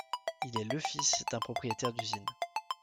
Il est le fils d'un propriétaire d'usine.